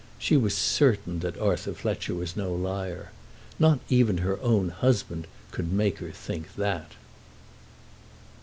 She was certain that Arthur Fletcher was no liar. Not even her own husband could make her think that.